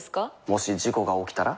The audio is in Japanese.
もし事故が起きたら？